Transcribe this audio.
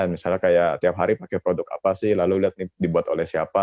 misalnya kayak tiap hari pakai produk apa sih lalu lihat ini dibuat oleh siapa